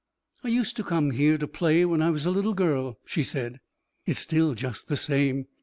"I used to come here to play when I was a little girl," she said. "It's still just the same."